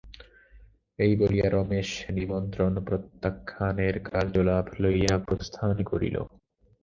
এই বলিয়া রমেশ নিমন্ত্রণ প্রত্যাখ্যানের কার্যভার লইয়া প্রস্থান করিল।